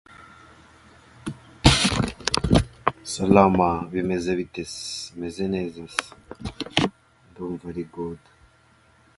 Names of capitals differing from those of the departments are shown in parentheses.